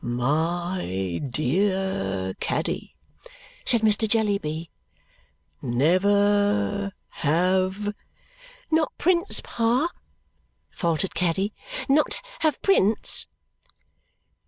"My dear Caddy," said Mr. Jellyby. "Never have " "Not Prince, Pa?" faltered Caddy. "Not have Prince?"